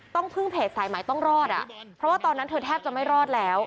ต้องพึ่งเพจสายหมายต้องรอดอ่ะเพราะว่าตอนนั้นเธอแทบจะไม่รอดแล้ว